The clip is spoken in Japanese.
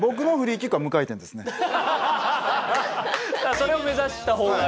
それを目指した方がいい。